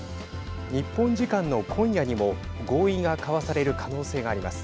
日本時間の今夜にも合意が交わされる可能性があります。